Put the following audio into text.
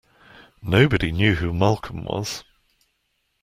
Nobody knew who Malcolm was.